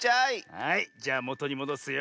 はいじゃあもとにもどすよ。